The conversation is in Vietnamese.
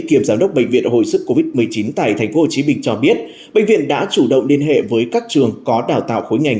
kiểm giám đốc bệnh viện hồi sức covid một mươi chín tại tp hcm cho biết bệnh viện đã chủ động liên hệ với các trường có đào tạo khối ngành